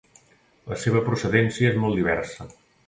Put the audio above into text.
La seva procedència és molt diversa.